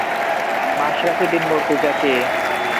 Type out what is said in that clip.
Mashrafe bin Mortaza কে?